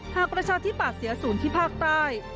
ประชาธิปัตย์เสียศูนย์ที่ภาคใต้